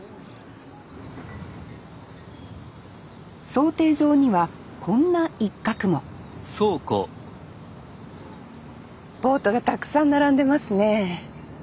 漕艇場にはこんな一角もボートがたくさん並んでますね。